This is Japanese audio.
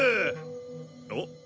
おっ！